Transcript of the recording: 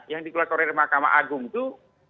yang dikeluarkan oleh mahkamah agung itu